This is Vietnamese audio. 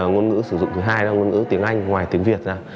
ngôn ngữ sử dụng thứ hai là ngôn ngữ tiếng anh ngoài tiếng việt ra